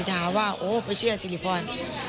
จะหาว่าโอ้เพื่อเชื่อสิริพร